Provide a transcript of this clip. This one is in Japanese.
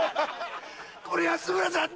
これ安村さん。